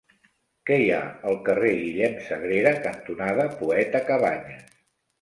Què hi ha al carrer Guillem Sagrera cantonada Poeta Cabanyes?